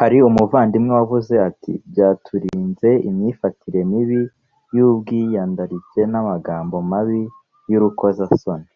hari umuvandimwe wavuze ati byaturinze imyifatire mibi y ubwiyandarike n amagambo mabi yurukozasoni